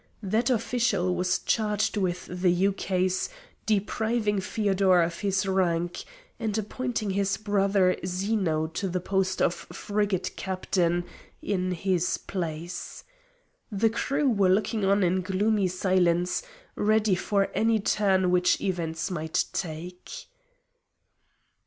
That official was charged with the ukase depriving Feodor of his rank, and appointing his brother Zeno to the post of frigate captain in his place. The crew were looking on in gloomy silence, ready for any turn which events might take.